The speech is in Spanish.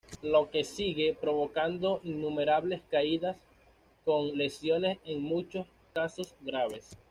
Lo que sigue provocando innumerables caídas y con lesiones en muchos casos graves.